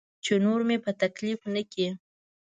چې نور مې په تکلیف نه کړي.